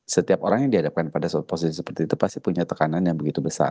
setiap orang yang dihadapkan pada posisi seperti itu pasti punya tekanan yang begitu besar